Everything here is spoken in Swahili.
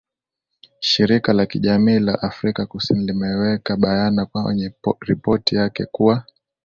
shirika la kijamii la afrika kusini limeweka bayana kwenye ripoti yake kuwa